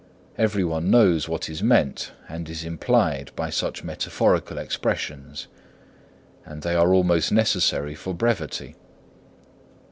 Every one knows what is meant and is implied by such metaphorical expressions; and they are almost necessary for brevity.